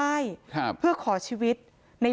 มันนี่เอากุญแจมาล้อมมันนี่อ่ะ